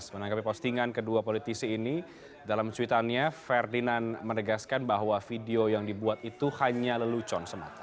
menanggapi postingan kedua politisi ini dalam cuitannya ferdinand menegaskan bahwa video yang dibuat itu hanya lelucon semata